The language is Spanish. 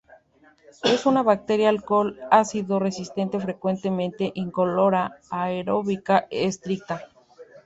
Es una bacteria alcohol-ácido resistente, frecuentemente incolora, aeróbica estricta.